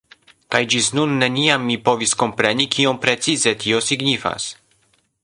Kaj ĝis nun neniam mi povis kompreni kion precize tio signifas.